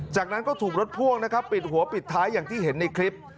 จากนั้นก็ถูกรถพ่วงนะครับปิดหัวปิดท้ายอย่างที่เห็นในคลิป